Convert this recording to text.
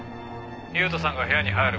「優人さんが部屋に入る前」